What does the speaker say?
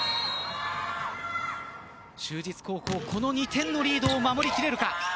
就実高校、この２点のリードを守りきれるか。